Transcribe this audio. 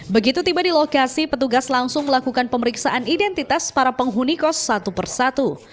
begitu tiba di lokasi petugas langsung melakukan pemeriksaan identitas para penghuni kos satu persatu